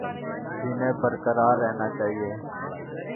جنہیں برقرار رہنا چاہیے